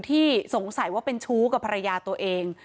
สงสัยว่าเป็นชู้กับภรรยาตัวเอง